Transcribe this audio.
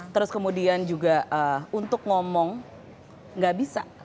terus kemudian juga untuk ngomong gak bisa